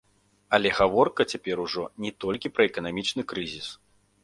Але гаворка цяпер ужо не толькі пра эканамічны крызіс.